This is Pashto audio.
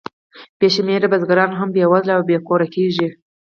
بې شمېره بزګران هم بېوزله او بې کوره کېږي